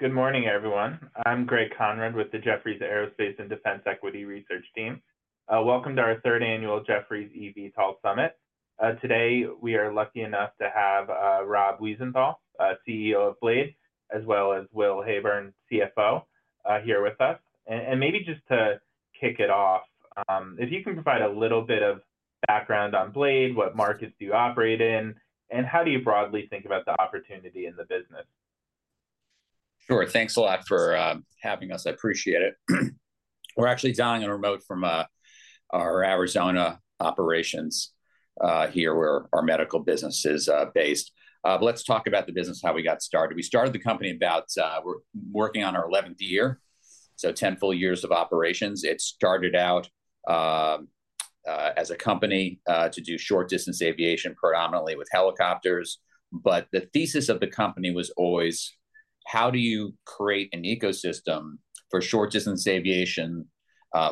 Good morning, everyone. I'm Greg Conrad with the Jefferies Aerospace and Defense Equity Research Team. Welcome to our third annual Jefferies EV Talks Summit. Today, we are lucky enough to have Rob Wiesenthal, CEO of Blade, as well as Will Heyburn, CFO, here with us. Maybe just to kick it off, if you can provide a little bit of background on Blade, what markets do you operate in, and how do you broadly think about the opportunity in the business? Sure. Thanks a lot for having us. I appreciate it. We're actually dialing in remote from our Arizona operations here, where our medical business is based. Let's talk about the business, how we got started. We started the company about we're working on our 11th year, so 10 full years of operations. It started out as a company to do short-distance aviation, predominantly with helicopters. The thesis of the company was always, how do you create an ecosystem for short-distance aviation,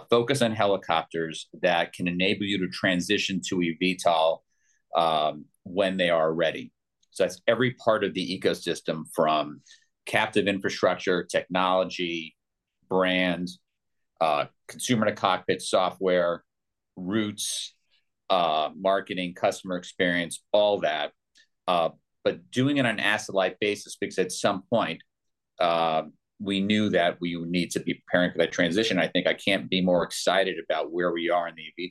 focus on helicopters that can enable you to transition to EVTOL when they are ready? That's every part of the ecosystem from captive infrastructure, technology, brand, consumer-to-cockpit software, routes, marketing, customer experience, all that. Doing it on an asset-light basis because at some point, we knew that we would need to be preparing for that transition. I think I can't be more excited about where we are in the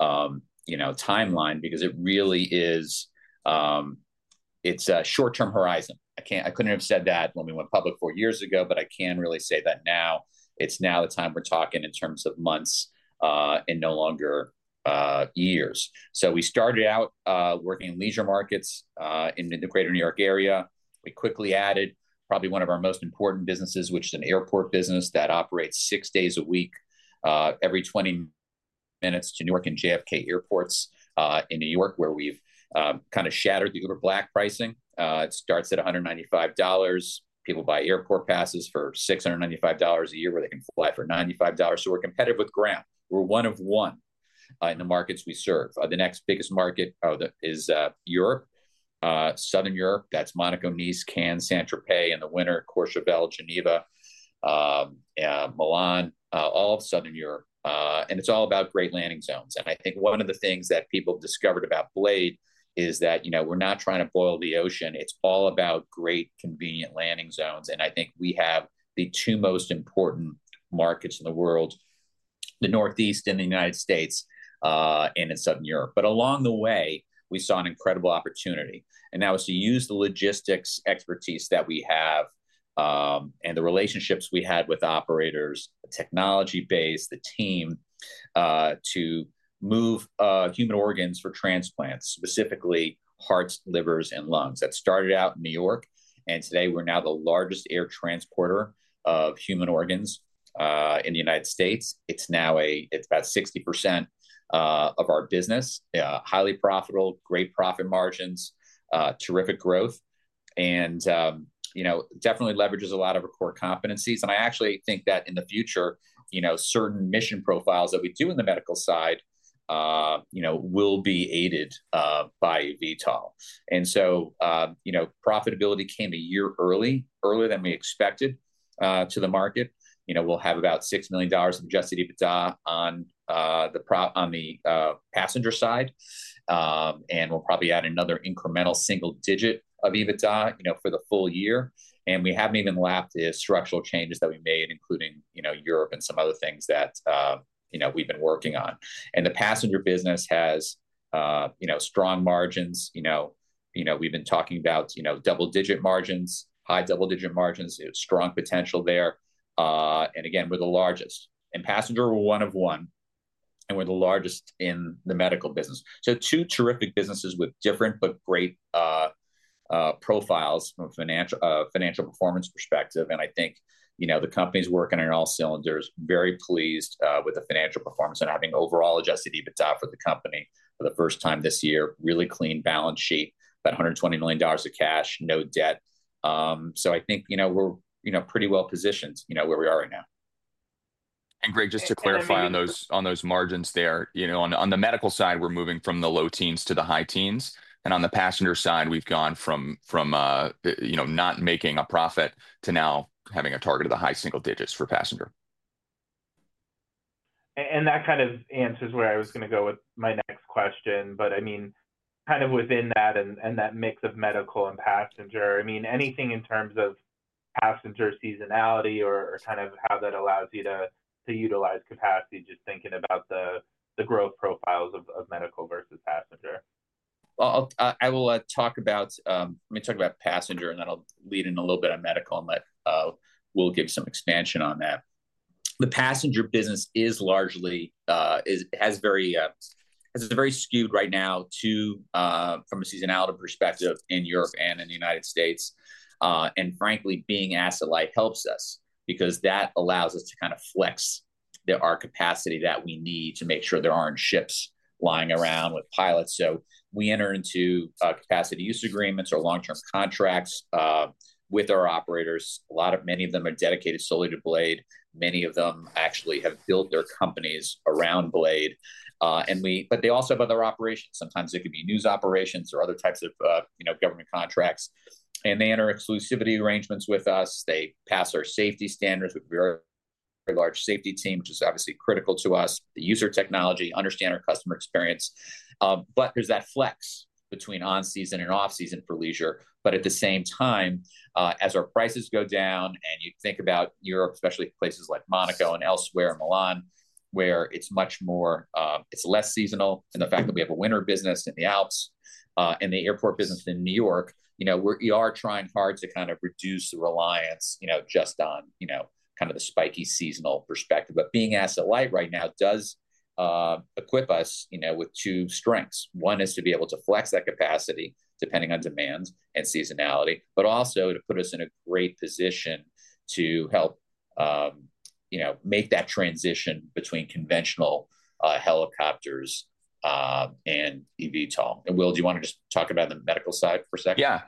EVTOL timeline because it really is, it's a short-term horizon. I couldn't have said that when we went public four years ago, but I can really say that now. It's now the time we're talking in terms of months and no longer years. We started out working in leisure markets in the greater New York area. We quickly added probably one of our most important businesses, which is an airport business that operates six days a week, every 20 minutes to Newark and JFK airports in New York, where we've kind of shattered the Uber Black pricing. It starts at $195. People buy airport passes for $695 a year, where they can fly for $95. We're competitive with Gram. We're one of one in the markets we serve. The next biggest market is Europe, Southern Europe. That's Monaco, Nice, Cannes, Saint-Tropez, and the winter, Courchevel, Geneva, Milan, all of Southern Europe. It's all about great landing zones. I think one of the things that people discovered about Strata Critical Medical is that we're not trying to boil the ocean. It's all about great, convenient landing zones. I think we have the two most important markets in the world, the Northeast in the United States and in Southern Europe. Along the way, we saw an incredible opportunity. That was to use the logistics expertise that we have and the relationships we had with operators, the technology base, the team to move human organs for transplants, specifically hearts, livers, and lungs. That started out in New York. Today, we're now the largest air transporter of human organs in the United States. It's now about 60% of our business, highly profitable, great profit margins, terrific growth, and definitely leverages a lot of our core competencies. I actually think that in the future, certain mission profiles that we do in the medical side will be aided by EVTOL. Profitability came a year early, earlier than we expected to the market. We'll have about $6 million of adjusted EBITDA on the passenger side. We'll probably add another incremental single digit of EBITDA for the full year. We haven't even lapped the structural changes that we made, including Europe and some other things that we've been working on. The passenger business has strong margins. We've been talking about double-digit margins, high double-digit margins, strong potential there. We're the largest. In passenger, we're one of one. We're the largest in the medical business. Two terrific businesses with different but great profiles from a financial performance perspective. I think the company's working on all cylinders, very pleased with the financial performance and having overall adjusted EBITDA for the company for the first time this year, really clean balance sheet, about $120 million of cash, no debt. I think we're pretty well positioned where we are right now. Greg, just to clarify on those margins there, on the medical side, we're moving from the low teens to the high teens. On the passenger side, we've gone from not making a profit to now having a target of the high single digits for passenger. That kind of answers where I was going to go with my next question. I mean, kind of within that and that mix of medical and passenger, I mean, anything in terms of passenger seasonality or kind of how that allows you to utilize capacity, just thinking about the growth profiles of medical versus passenger? I will talk about, let me talk about passenger, and then I'll lead in a little bit on medical, and we'll give some expansion on that. The passenger business has very skewed right now from a seasonality perspective in Europe and in the United States. Frankly, being asset-light helps us because that allows us to kind of flex our capacity that we need to make sure there aren't ships lying around with pilots. We enter into capacity use agreements or long-term contracts with our operators. Many of them are dedicated solely to Strata Critical Medical. Many of them actually have built their companies around Strata Critical Medical. They also have other operations. Sometimes it could be news operations or other types of government contracts. They enter exclusivity arrangements with us. They pass our safety standards with a very large safety team, which is obviously critical to us, the user technology, understand our customer experience. There is that flex between on-season and off-season for leisure. At the same time, as our prices go down, and you think about Europe, especially places like Monaco and elsewhere, Milan, where it is less seasonal and the fact that we have a winter business in the Alps and the airport business in New York, we are trying hard to kind of reduce the reliance just on kind of the spiky seasonal perspective. Being asset-light right now does equip us with two strengths. One is to be able to flex that capacity depending on demand and seasonality, but also to put us in a great position to help make that transition between conventional helicopters and EVTOL. Will, do you want to just talk about the medical side for a second? Yeah.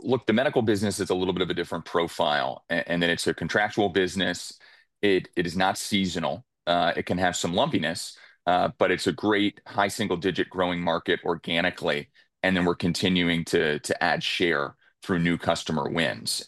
Look, the medical business is a little bit of a different profile. It is a contractual business. It is not seasonal. It can have some lumpiness, but it is a great high single-digit growing market organically. We are continuing to add share through new customer wins.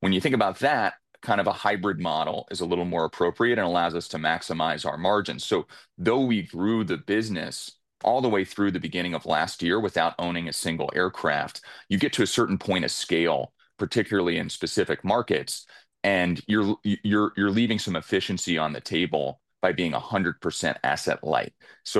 When you think about that, kind of a hybrid model is a little more appropriate and allows us to maximize our margins. Though we grew the business all the way through the beginning of last year without owning a single aircraft, you get to a certain point of scale, particularly in specific markets, and you are leaving some efficiency on the table by being 100% asset-light.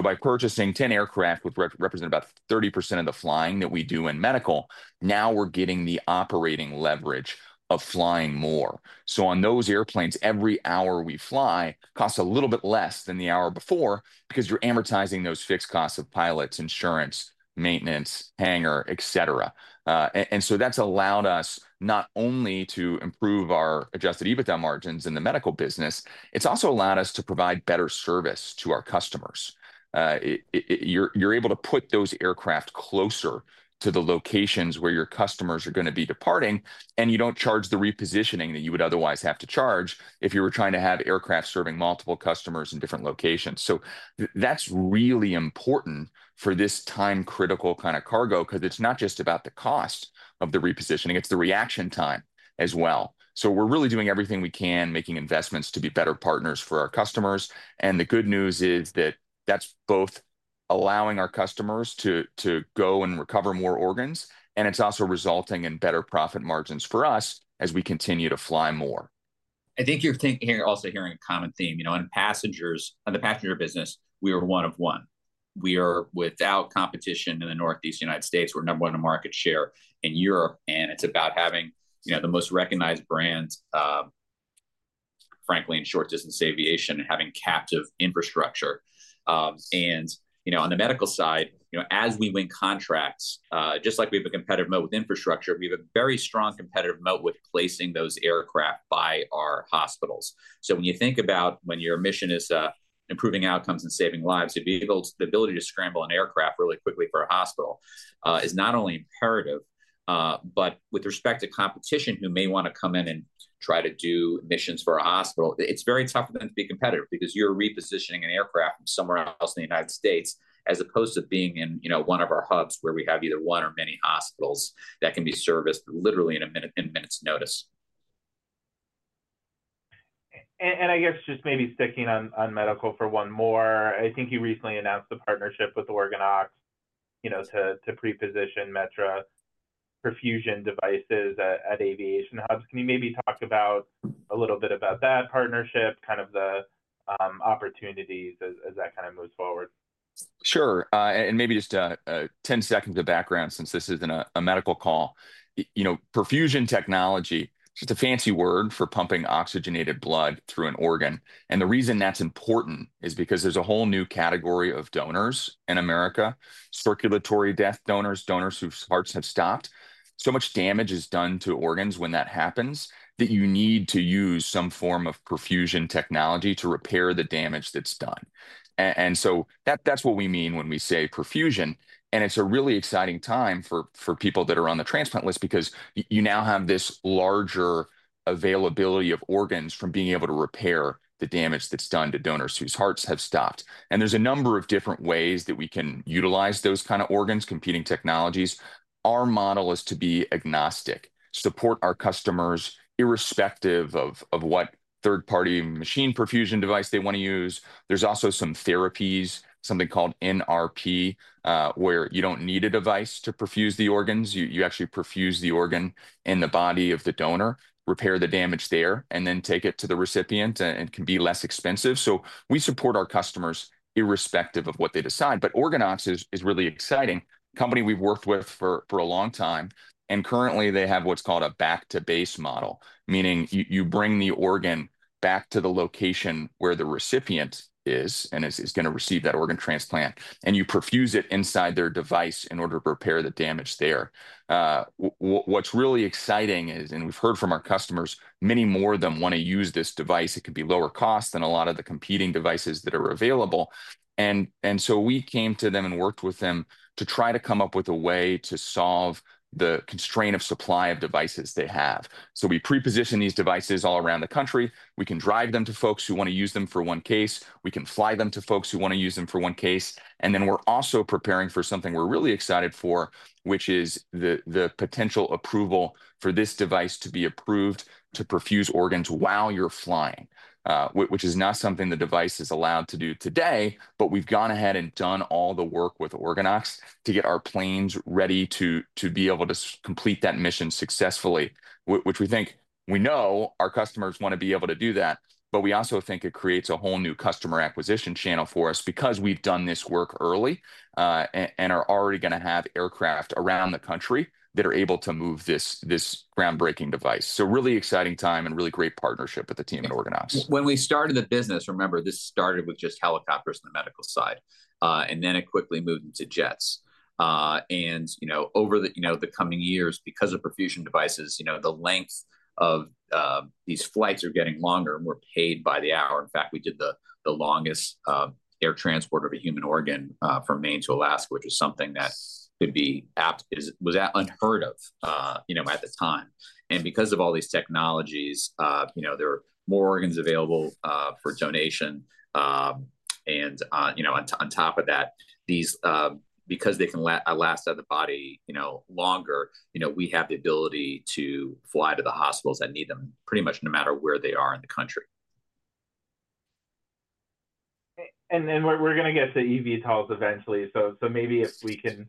By purchasing 10 aircraft, which represent about 30% of the flying that we do in medical, now we are getting the operating leverage of flying more. On those airplanes, every hour we fly costs a little bit less than the hour before because you're amortizing those fixed costs of pilots, insurance, maintenance, hangar, etc. That has allowed us not only to improve our adjusted EBITDA margins in the medical business, it has also allowed us to provide better service to our customers. You're able to put those aircraft closer to the locations where your customers are going to be departing, and you do not charge the repositioning that you would otherwise have to charge if you were trying to have aircraft serving multiple customers in different locations. That is really important for this time-critical kind of cargo because it is not just about the cost of the repositioning. It is the reaction time as well. We are really doing everything we can, making investments to be better partners for our customers. The good news is that that's both allowing our customers to go and recover more organs, and it's also resulting in better profit margins for us as we continue to fly more. I think you're also hearing a common theme. On the passenger business, we are one of one. We are, without competition in the Northeast United States, we're number one in market share in Europe. It is about having the most recognized brands, frankly, in short-distance aviation and having captive infrastructure. On the medical side, as we win contracts, just like we have a competitive moat with infrastructure, we have a very strong competitive moat with placing those aircraft by our hospitals. When you think about when your mission is improving outcomes and saving lives, the ability to scramble an aircraft really quickly for a hospital is not only imperative, but with respect to competition who may want to come in and try to do missions for a hospital, it is very tough for them to be competitive because you are repositioning an aircraft somewhere else in the United States as opposed to being in one of our hubs where we have either one or many hospitals that can be serviced literally in a minute's notice. I guess just maybe sticking on medical for one more, I think you recently announced a partnership with OrganOx to preposition Metra perfusion devices at aviation hubs. Can you maybe talk a little bit about that partnership, kind of the opportunities as that kind of moves forward? Sure. Maybe just 10 seconds of background since this isn't a medical call. Perfusion technology is just a fancy word for pumping oxygenated blood through an organ. The reason that's important is because there's a whole new category of donors in America, circulatory death donors, donors whose hearts have stopped. So much damage is done to organs when that happens that you need to use some form of perfusion technology to repair the damage that's done. That's what we mean when we say perfusion. It's a really exciting time for people that are on the transplant list because you now have this larger availability of organs from being able to repair the damage that's done to donors whose hearts have stopped. There's a number of different ways that we can utilize those kind of organs, competing technologies. Our model is to be agnostic, support our customers irrespective of what third-party machine perfusion device they want to use. There's also some therapies, something called NRP, where you do not need a device to perfuse the organs. You actually perfuse the organ in the body of the donor, repair the damage there, and then take it to the recipient. It can be less expensive. We support our customers irrespective of what they decide. But OrganOx is really exciting, a company we've worked with for a long time. Currently, they have what's called a back-to-base model, meaning you bring the organ back to the location where the recipient is and is going to receive that organ transplant, and you perfuse it inside their device in order to repair the damage there. What's really exciting is, and we've heard from our customers, many more of them want to use this device. It could be lower cost than a lot of the competing devices that are available. We came to them and worked with them to try to come up with a way to solve the constraint of supply of devices they have. We preposition these devices all around the country. We can drive them to folks who want to use them for one case. We can fly them to folks who want to use them for one case. We are also preparing for something we're really excited for, which is the potential approval for this device to be approved to perfuse organs while you're flying, which is not something the device is allowed to do today. We have gone ahead and done all the work with OrganOx to get our planes ready to be able to complete that mission successfully, which we think we know our customers want to be able to do that. We also think it creates a whole new customer acquisition channel for us because we have done this work early and are already going to have aircraft around the country that are able to move this groundbreaking device. It is a really exciting time and a really great partnership with the team at OrganOx. When we started the business, remember, this started with just helicopters on the medical side. Then it quickly moved into jets. Over the coming years, because of perfusion devices, the length of these flights are getting longer and more paid by the hour. In fact, we did the longest air transport of a human organ from Maine to Alaska, which was something that was unheard of at the time. Because of all these technologies, there are more organs available for donation. On top of that, because they can last out of the body longer, we have the ability to fly to the hospitals that need them pretty much no matter where they are in the country. We're going to get to EVTOLs eventually. Maybe if we can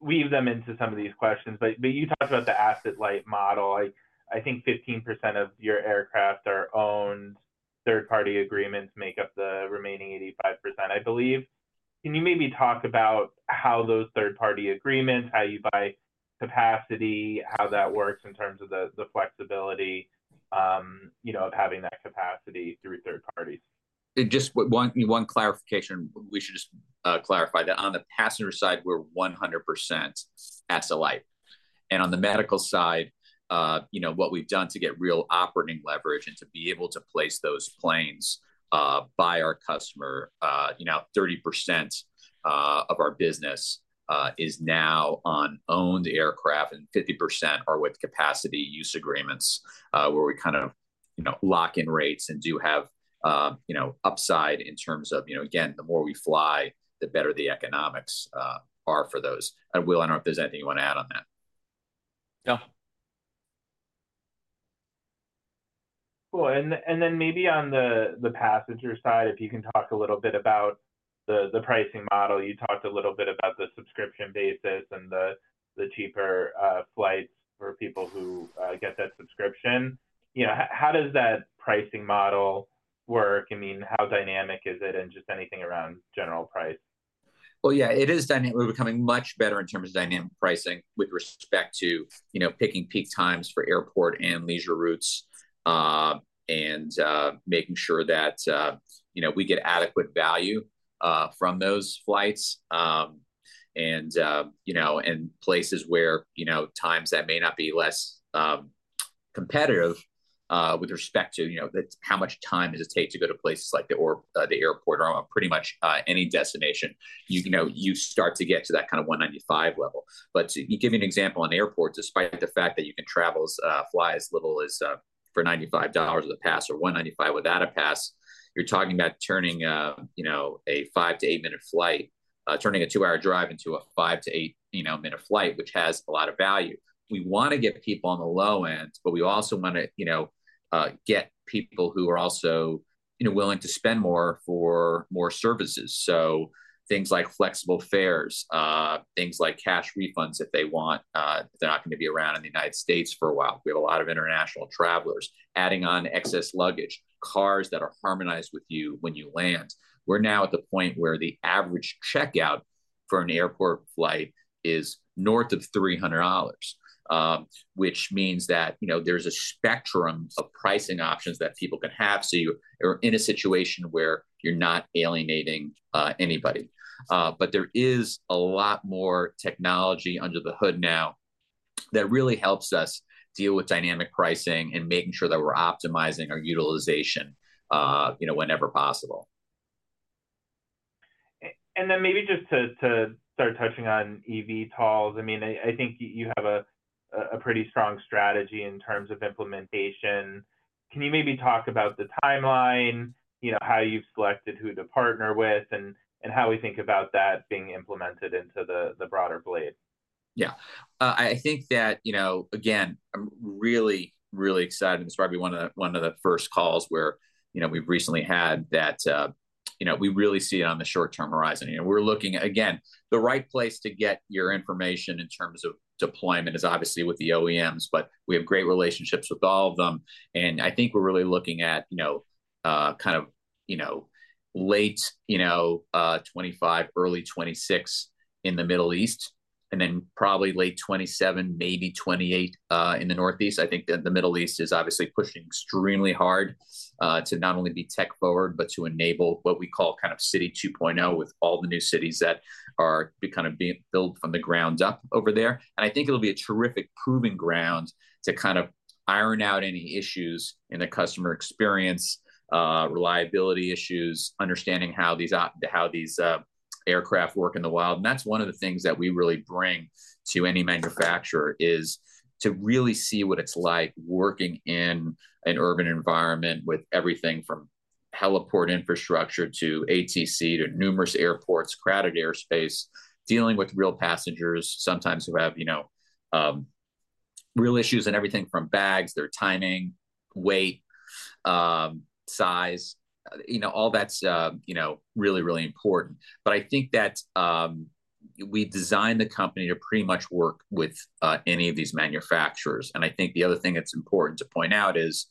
weave them into some of these questions. You talked about the asset-light model. I think 15% of your aircraft are owned. Third-party agreements make up the remaining 85%, I believe. Can you maybe talk about how those third-party agreements, how you buy capacity, how that works in terms of the flexibility of having that capacity through third parties? Just one clarification. We should just clarify that on the passenger side, we're 100% asset-light. On the medical side, what we've done to get real operating leverage and to be able to place those planes by our customer, 30% of our business is now on owned aircraft and 50% are with capacity use agreements where we kind of lock in rates and do have upside in terms of, again, the more we fly, the better the economics are for those. Will, I don't know if there's anything you want to add on that. Yeah. Cool. And then maybe on the passenger side, if you can talk a little bit about the pricing model. You talked a little bit about the subscription basis and the cheaper flights for people who get that subscription. How does that pricing model work? I mean, how dynamic is it and just anything around general price? Yeah, it is dynamic. We're becoming much better in terms of dynamic pricing with respect to picking peak times for airport and leisure routes and making sure that we get adequate value from those flights and places where times that may not be less competitive with respect to how much time does it take to go to places like the airport or pretty much any destination. You start to get to that kind of $195 level. To give you an example on airports, despite the fact that you can fly as little as for $95 with a pass or $195 without a pass, you're talking about turning a five to eight-minute flight, turning a two-hour drive into a five to eight-minute flight, which has a lot of value. We want to get people on the low end, but we also want to get people who are also willing to spend more for more services. Things like flexible fares, things like cash refunds if they want, if they're not going to be around in the U.S. for a while. We have a lot of international travelers. Adding on excess luggage, cars that are harmonized with you when you land. We're now at the point where the average checkout for an airport flight is north of $300, which means that there's a spectrum of pricing options that people can have so you are in a situation where you're not alienating anybody. There is a lot more technology under the hood now that really helps us deal with dynamic pricing and making sure that we're optimizing our utilization whenever possible. Maybe just to start touching on EVTOLs, I mean, I think you have a pretty strong strategy in terms of implementation. Can you maybe talk about the timeline, how you've selected who to partner with, and how we think about that being implemented into the broader Blade? Yeah. I think that, again, I'm really, really excited. This is probably one of the first calls where we've recently had that we really see it on the short-term horizon. We're looking, again, the right place to get your information in terms of deployment is obviously with the OEMs, but we have great relationships with all of them. I think we're really looking at kind of late 2025, early 2026 in the Middle East, and then probably late 2027, maybe 2028 in the Northeast. I think that the Middle East is obviously pushing extremely hard to not only be tech-forward, but to enable what we call kind of city 2.0 with all the new cities that are kind of built from the ground up over there. I think it'll be a terrific proving ground to kind of iron out any issues in the customer experience, reliability issues, understanding how these aircraft work in the wild. That's one of the things that we really bring to any manufacturer, to really see what it's like working in an urban environment with everything from heliport infrastructure to ATC to numerous airports, crowded airspace, dealing with real passengers sometimes who have real issues and everything from bags, their timing, weight, size, all that's really, really important. I think that we designed the company to pretty much work with any of these manufacturers. The other thing that's important to point out is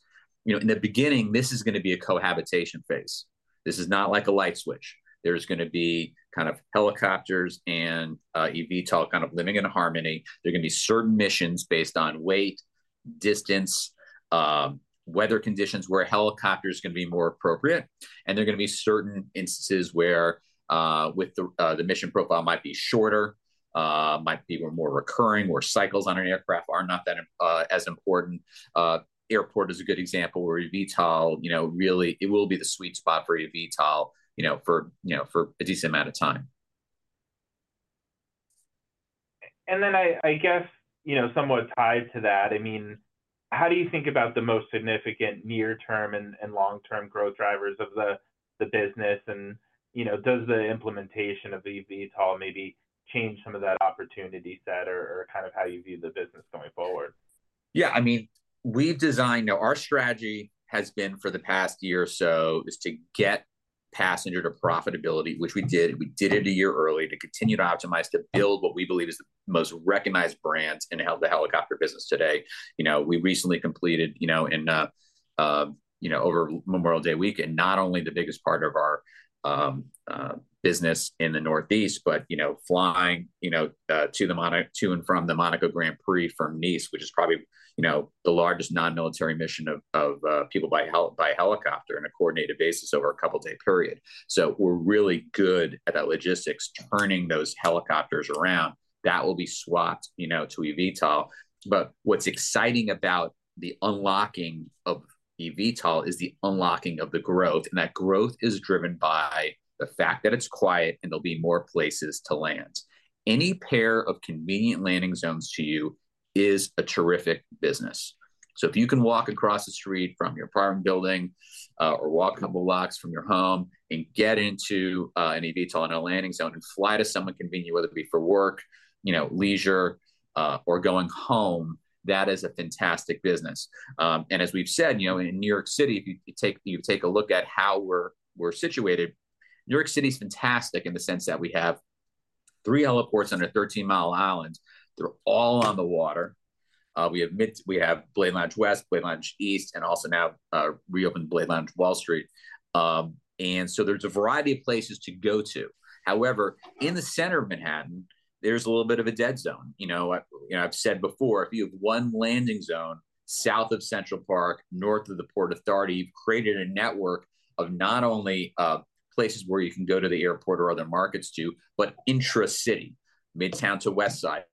in the beginning, this is going to be a cohabitation phase. This is not like a light switch. There's going to be kind of helicopters and EVTOL kind of living in harmony. There are going to be certain missions based on weight, distance, weather conditions where a helicopter is going to be more appropriate. There are going to be certain instances where the mission profile might be shorter, might be more recurring, where cycles on an aircraft are not as important. Airport is a good example where EVTOL really, it will be the sweet spot for EVTOL for a decent amount of time. I guess somewhat tied to that, I mean, how do you think about the most significant near-term and long-term growth drivers of the business? Does the implementation of EVTOL maybe change some of that opportunity set or kind of how you view the business going forward? Yeah. I mean, we've designed our strategy has been for the past year or so is to get passenger to profitability, which we did. We did it a year early to continue to optimize to build what we believe is the most recognized brands in the helicopter business today. We recently completed over Memorial Day weekend, not only the biggest part of our business in the Northeast, but flying to and from the Monaco Grand Prix from Nice, which is probably the largest non-military mission of people by helicopter on a coordinated basis over a couple-day period. We are really good at that logistics, turning those helicopters around. That will be swapped to EVTOL. What is exciting about the unlocking of EVTOL is the unlocking of the growth. That growth is driven by the fact that it is quiet and there will be more places to land. Any pair of convenient landing zones to you is a terrific business. If you can walk across the street from your apartment building or walk a couple of blocks from your home and get into an EVTOL landing zone and fly to somewhere convenient, whether it be for work, leisure, or going home, that is a fantastic business. As we've said, in New York City, if you take a look at how we're situated, New York City is fantastic in the sense that we have three heliports on a 13-mi island. They're all on the water. We have Blade Lounge West, Blade Lounge East, and also now reopened Blade Lounge Wall Street. There is a variety of places to go to. However, in the center of Manhattan, there's a little bit of a dead zone. I've said before, if you have one landing zone south of Central Park, north of the Port Authority, you've created a network of not only places where you can go to the airport or other markets to, but intra-city, Midtown to West Side,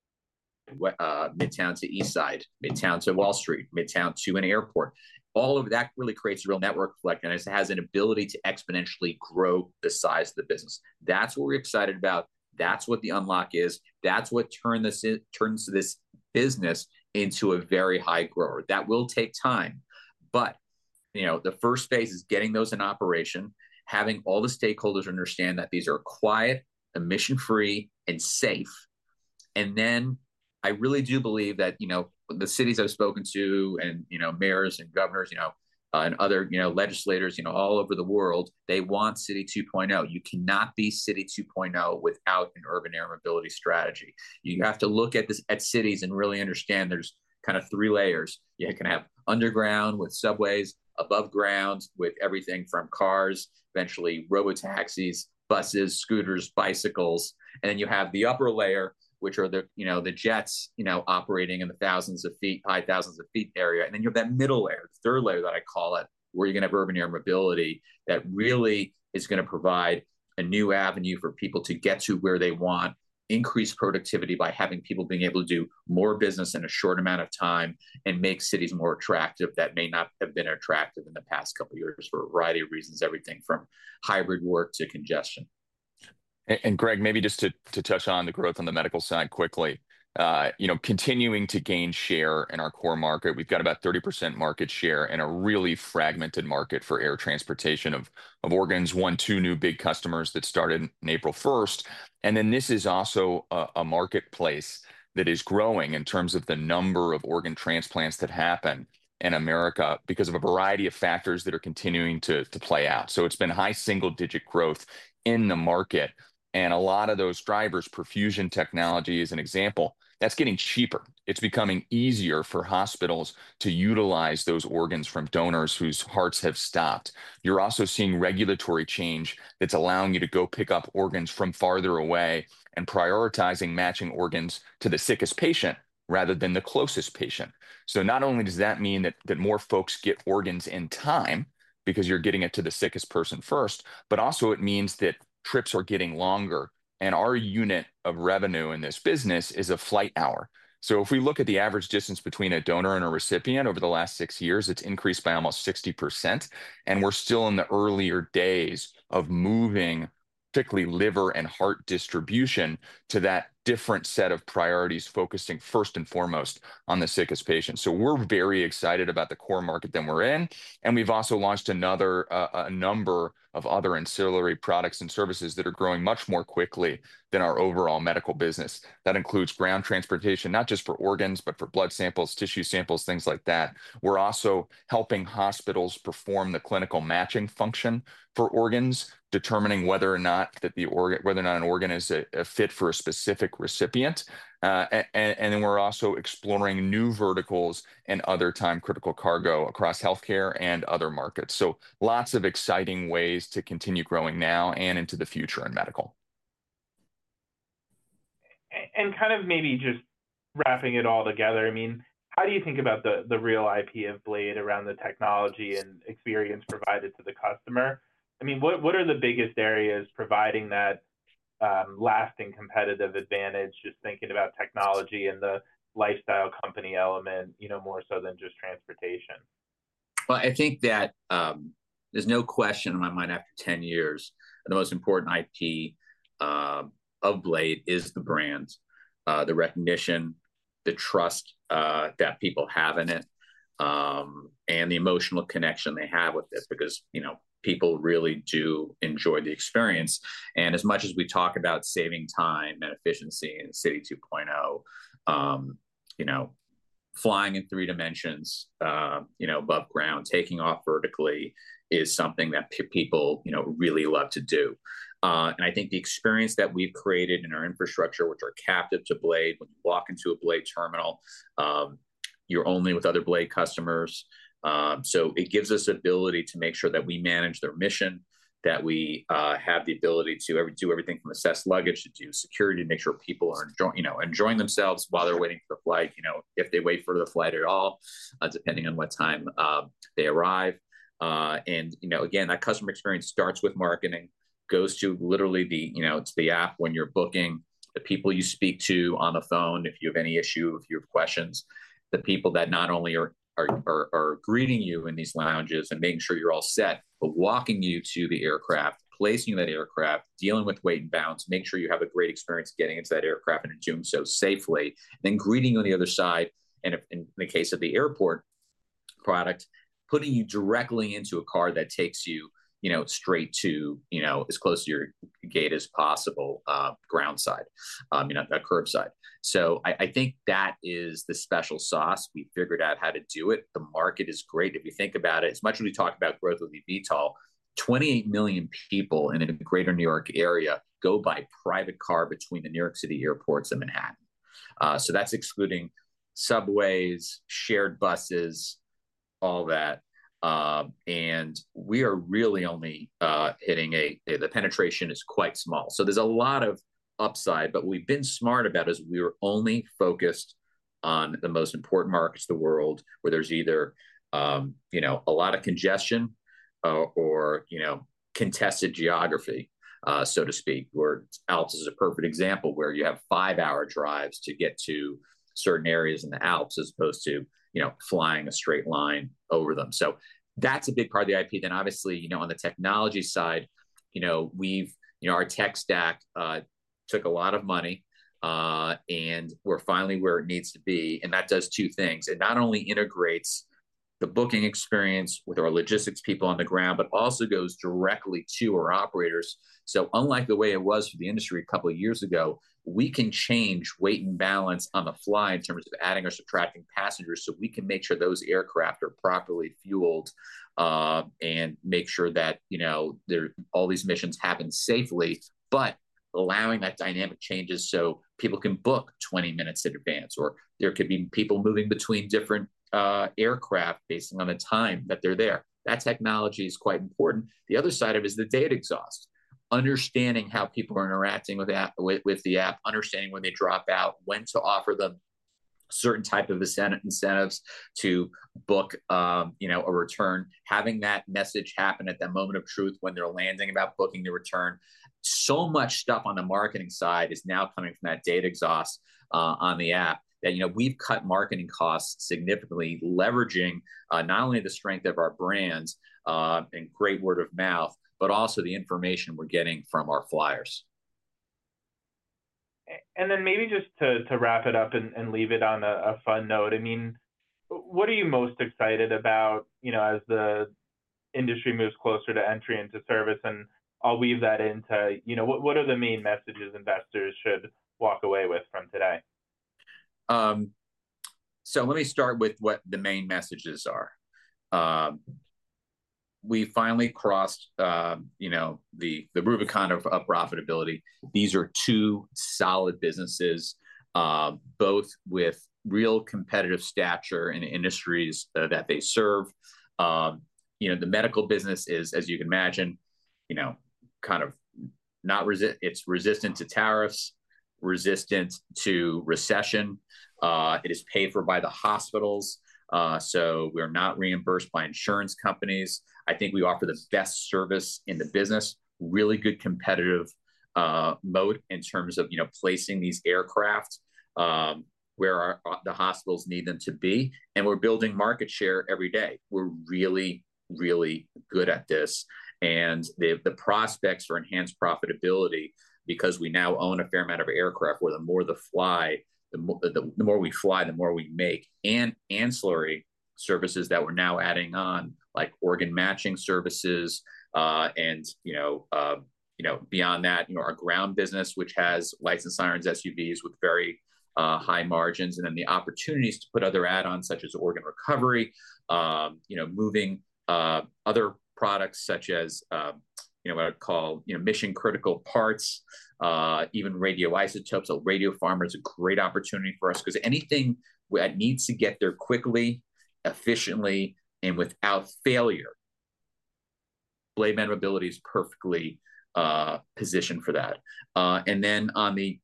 Midtown to East Side, Midtown to Wall Street, Midtown to an airport. All of that really creates a real network collection. It has an ability to exponentially grow the size of the business. That's what we're excited about. That's what the unlock is. That's what turns this business into a very high grower. That will take time. The first phase is getting those in operation, having all the stakeholders understand that these are quiet, emission-free, and safe. I really do believe that the cities I've spoken to and mayors and governors and other legislators all over the world, they want city 2.0. You cannot be city 2.0 without an urban air mobility strategy. You have to look at cities and really understand there's kind of three layers. You can have underground with subways, above ground with everything from cars, eventually robotaxis, buses, scooters, bicycles. You have the upper layer, which are the jets operating in the thousands of feet, high thousands of feet area. You have that middle layer, third layer that I call it, where you're going to have urban air mobility that really is going to provide a new avenue for people to get to where they want, increase productivity by having people being able to do more business in a short amount of time and make cities more attractive that may not have been attractive in the past couple of years for a variety of reasons, everything from hybrid work to congestion. Greg, maybe just to touch on the growth on the medical side quickly, continuing to gain share in our core market. We have about 30% market share in a really fragmented market for air transportation of organs, one, two new big customers that started on April 1. This is also a marketplace that is growing in terms of the number of organ transplants that happen in America because of a variety of factors that are continuing to play out. It has been high single-digit growth in the market. A lot of those drivers, perfusion technology is an example, that is getting cheaper. It is becoming easier for hospitals to utilize those organs from donors whose hearts have stopped. You are also seeing regulatory change that is allowing you to go pick up organs from farther away and prioritizing matching organs to the sickest patient rather than the closest patient. Not only does that mean that more folks get organs in time because you're getting it to the sickest person first, it also means that trips are getting longer. Our unit of revenue in this business is a flight hour. If we look at the average distance between a donor and a recipient over the last six years, it's increased by almost 60%. We're still in the earlier days of moving particularly liver and heart distribution to that different set of priorities focusing first and foremost on the sickest patient. We're very excited about the core market that we're in. We've also launched a number of other ancillary products and services that are growing much more quickly than our overall medical business. That includes ground transportation, not just for organs, but for blood samples, tissue samples, things like that. We're also helping hospitals perform the clinical matching function for organs, determining whether or not an organ is a fit for a specific recipient. We're also exploring new verticals and other time-critical cargo across healthcare and other markets. Lots of exciting ways to continue growing now and into the future in medical. Kind of maybe just wrapping it all together, I mean, how do you think about the real IP of Strata Critical Medical around the technology and experience provided to the customer? I mean, what are the biggest areas providing that lasting competitive advantage, just thinking about technology and the lifestyle company element more so than just transportation? I think that there's no question in my mind after 10 years, the most important IP of Strata Critical Medical is the brand, the recognition, the trust that people have in it, and the emotional connection they have with it because people really do enjoy the experience. As much as we talk about saving time and efficiency in city 2.0, flying in three dimensions above ground, taking off vertically is something that people really love to do. I think the experience that we've created in our infrastructure, which are captive to Strata Critical Medical, when you walk into a Strata Critical Medical terminal, you're only with other Strata Critical Medical customers. It gives us the ability to make sure that we manage their mission, that we have the ability to do everything from assess luggage to do security, make sure people are enjoying themselves while they're waiting for the flight, if they wait for the flight at all, depending on what time they arrive. That customer experience starts with marketing, goes to literally the app when you're booking, the people you speak to on the phone if you have any issue, if you have questions, the people that not only are greeting you in these lounges and making sure you're all set, but walking you to the aircraft, placing that aircraft, dealing with weight and balance, make sure you have a great experience getting into that aircraft and doing so safely, then greeting you on the other side. In the case of the airport product, putting you directly into a car that takes you straight to as close to your gate as possible groundside, that curbside. I think that is the special sauce. We figured out how to do it. The market is great. If you think about it, as much as we talk about growth of EVTOL, 28 million people in the greater New York area go by private car between the New York City airports and Manhattan. That is excluding subways, shared buses, all that. We are really only hitting a, the penetration is quite small. There is a lot of upside, but we've been smart about it as we were only focused on the most important markets of the world where there's either a lot of congestion or contested geography, so to speak, where the Alps is a perfect example where you have five-hour drives to get to certain areas in the Alps as opposed to flying a straight line over them. That is a big part of the IP. Obviously, on the technology side, our tech stack took a lot of money, and we're finally where it needs to be. That does two things. It not only integrates the booking experience with our logistics people on the ground, but also goes directly to our operators. Unlike the way it was for the industry a couple of years ago, we can change weight and balance on the fly in terms of adding or subtracting passengers. We can make sure those aircraft are properly fueled and make sure that all these missions happen safely, but allowing that dynamic changes so people can book 20 minutes in advance or there could be people moving between different aircraft based on the time that they are there. That technology is quite important. The other side of it is the data exhaust, understanding how people are interacting with the app, understanding when they drop out, when to offer them certain types of incentives to book a return, having that message happen at that moment of truth when they are landing about booking the return. So much stuff on the marketing side is now coming from that data exhaust on the app that we've cut marketing costs significantly, leveraging not only the strength of our brands and great word of mouth, but also the information we're getting from our flyers. Maybe just to wrap it up and leave it on a fun note, I mean, what are you most excited about as the industry moves closer to entry into service? I'll weave that into what are the main messages investors should walk away with from today? Let me start with what the main messages are. We finally crossed the Rubicon of profitability. These are two solid businesses, both with real competitive stature in the industries that they serve. The medical business is, as you can imagine, kind of not, it's resistant to tariffs, resistant to recession. It is paid for by the hospitals. We're not reimbursed by insurance companies. I think we offer the best service in the business, really good competitive moat in terms of placing these aircraft where the hospitals need them to be. We're building market share every day. We're really, really good at this. The prospects for enhanced profitability are there because we now own a fair amount of aircraft, where the more we fly, the more we make. Ancillary services that we're now adding on, like organ matching services. Beyond that, our ground business, which has licensed sirens, SUVs with very high margins, and then the opportunities to put other add-ons such as organ recovery, moving other products such as what I call mission-critical parts, even radioisotopes. Radio Farmer is a great opportunity for us because anything that needs to get there quickly, efficiently, and without failure, Strata Critical Medical is perfectly positioned for that. On the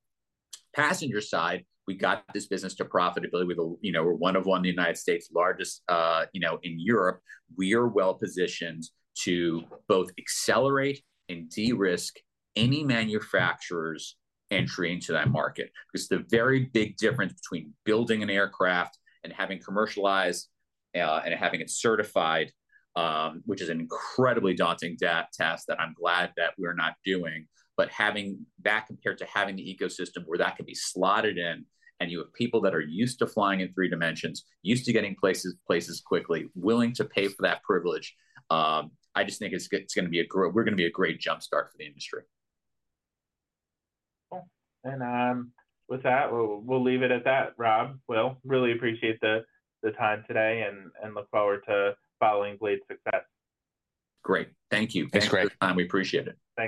passenger side, we got this business to profitability. We are one of the United States largest in Europe. We are well positioned to both accelerate and de-risk any manufacturer's entry into that market because the very big difference between building an aircraft and having commercialized and having it certified, which is an incredibly daunting task that I'm glad that we're not doing, but having that compared to having the ecosystem where that can be slotted in and you have people that are used to flying in three dimensions, used to getting places quickly, willing to pay for that privilege, I just think it's going to be a great, we're going to be a great jumpstart for the industry. We'll leave it at that, Rob. We really appreciate the time today and look forward to following Strata Critical Medical's success. Great. Thank you. Thanks for your time. We appreciate it.